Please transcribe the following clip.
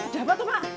ada apa tuh pak